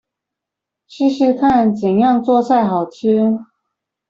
試試看怎樣做菜好吃